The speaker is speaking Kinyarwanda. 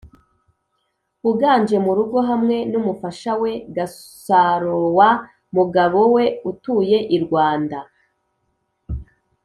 uganje mu rugo hamwe n’umufasha we gasarowa mugabo we utuye i rwanda